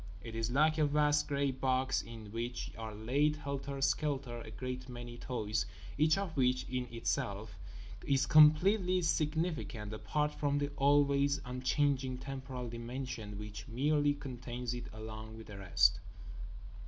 It is like a vast grey box in which are laid helter skelter a great many toys, each of which is itself completely significant apart from the always unchanging temporal dimension which merely contains it along with the rest.